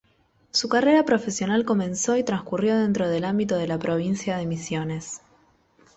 Su carrera profesional comenzó y transcurrió dentro del ámbito de la provincia de Misiones.